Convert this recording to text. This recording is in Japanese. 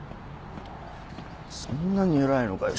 そんなに偉いのかよ